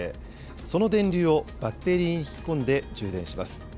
その電流をバッテリーに引き込んで充電します。